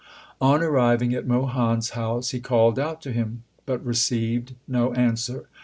On arriving at Mohan s house he called out to him, but received no answer.